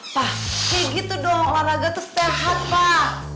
pak kayak gitu dong olahraga tuh sehat pak